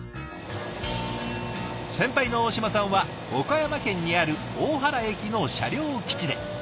先輩の大島さんは岡山県にある大原駅の車両基地で。